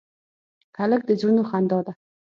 هلک د زړونو خندا ده.